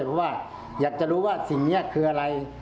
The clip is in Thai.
เพราะว่าอยากจะรู้ว่าสิ่งนี้คืออะไร